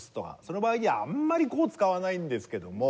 その場合にあんまり５使わないんですけども。